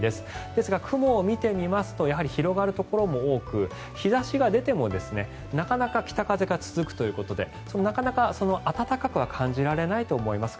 ですが雲を見てみますと広がるところも多く日差しが出てもなかなか北風が続くということでなかなか暖かくは感じられないと思います。